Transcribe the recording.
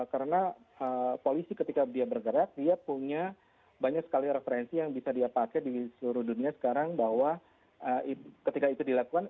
karena polisi ketika dia bergerak dia punya banyak sekali referensi yang bisa dia pakai di seluruh dunia sekarang bahwa ketika itu dilakukan